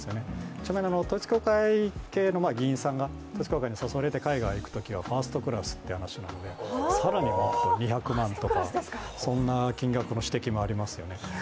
ちなみに統一教会系の議員さんが統一教会に誘われて海外に行ったときはファーストクラスという話なので、更に２００万円とか、そんな金額の指摘もありますよね。